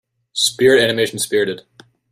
Spirit animation Spirited.